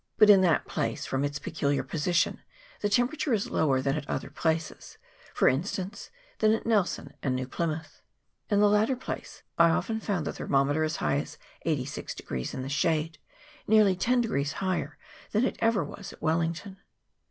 But in that place, from its peculiar position, the temperature is lower than at other places, for instance, than at Nelson and New Plymouth. In the latter place I often found the thermometer as high as 86 in the shade, nearly 10 higher than it ever was at Wellington.